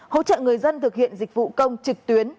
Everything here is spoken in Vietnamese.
hỗ trợ người dân thực hiện dịch vụ công trực tuyến